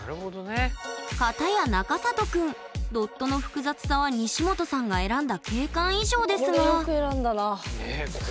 ドットの複雑さは西本さんが選んだ景観以上ですがこれよく選んだな。ね。